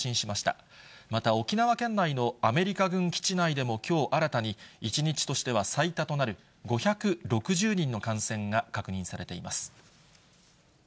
また沖縄県内のアメリカ軍基地内でもきょう新たに、１日としては最多となる５６０人の感染が確認されています。